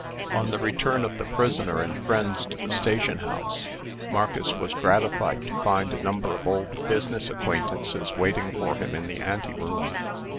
On the return of the prisoner and friends to the station house, Marcus was gratified to find a number of old business acquaintances waiting for him in the ante room.